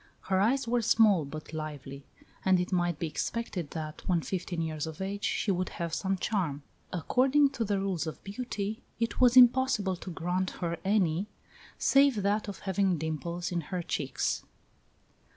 Her eyes were small, but lively; and it might be expected that, when fifteen years of age, she would have some charm. According to the rules of beauty, it was impossible to grant her any, save that of having dimples in her cheeks."